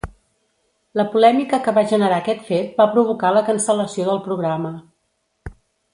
La polèmica que va generar aquest fet va provocar la cancel·lació del programa.